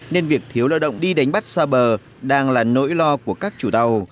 nên việc thiếu lao động đi đánh bắt xa bờ đang là nỗi lo của các chủ tàu